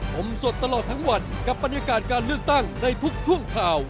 ผมสดตลอดทั้งวันกับบรรยากาศการเลือกตั้งในทุกช่วงข่าว